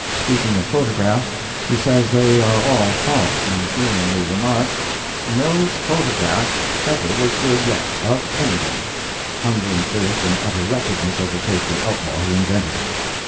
Speaking of photographs he says they are all false, and feelingly remarks, No photograph ever was good, yet, of anybody—hunger and thirst and utter wretchedness overtake the outlaw who invented it!